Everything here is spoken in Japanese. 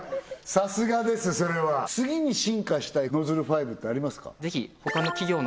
さすがですそれは次に進化したいノズルファイブってありますか？